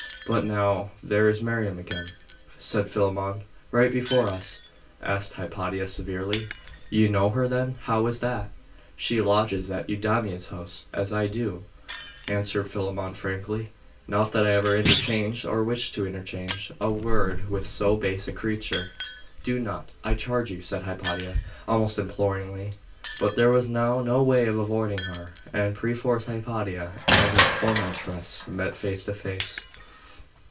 But now ' 'There is Miriam again,' said Philammon, 'right before us!' 'Miriam?' asked Hypatia severely. 'You know her then? How is that?' 'She lodges at Eudaimon's house, as I do,' answered Philammon frankly. 'Not that I ever interchanged, or wish to interchange, a word with so base a creature.' 'Do not! I charge you!' said Hypatia, almost imploringly. But there was now no way of avoiding her, and perforce Hypatia and her tormentress met face to face.